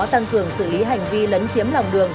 tăng cường xử lý hành vi lấn chiếm lòng đường